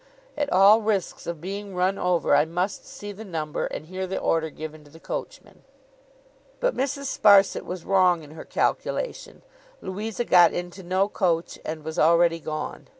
At all risks of being run over, I must see the number, and hear the order given to the coachman.' But, Mrs. Sparsit was wrong in her calculation. Louisa got into no coach, and was already gone.